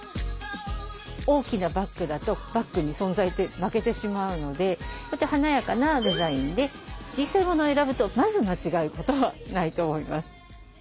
大きなバッグだとバッグに存在で負けてしまうので華やかなデザインで小さいものを選ぶとまず間違うことはないと思います。